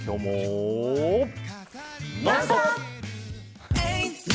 「ノンストップ！」。